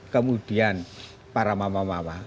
kemudian para mamawawa